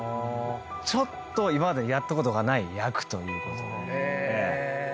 ちょっと今までにやったことがない役ということで。